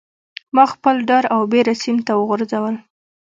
ماخپل ډار او بیره سیند ته وغورځول